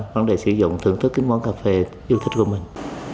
và vấn đề sử dụng thưởng thức những món cà phê yêu thích của mình